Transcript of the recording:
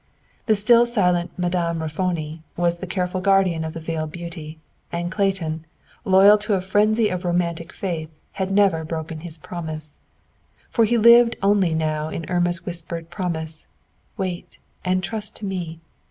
The still silent Madame Raffoni was the careful guardian of the veiled beauty, and Clayton, loyal to a frenzy of romantic faith, had never broken his promise. For he lived only now in Irma's whispered promise, "Wait, and trust to me.